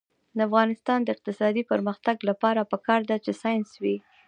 د افغانستان د اقتصادي پرمختګ لپاره پکار ده چې ساینس وي.